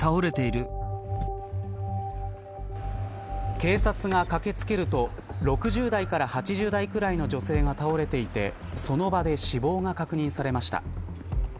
警察が駆け付けると６０代から８０代くらいの女性が倒れていてその場で死亡が確認されました。